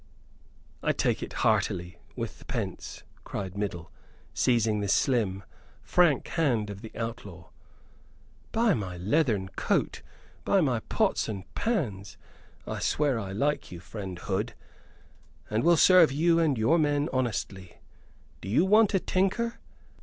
"I take it heartily, with the pence!" cried Middle, seizing the slim, frank hand of the outlaw. "By my leathern coat, by my pots and pans, I swear I like you, friend Hood, and will serve you and your men honestly! Do you want a tinker?